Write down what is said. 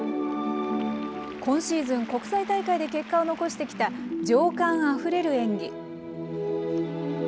今シーズン、国際大会で結果を残してきた情感あふれる演技。